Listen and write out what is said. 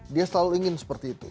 dia selalu ingin seperti itu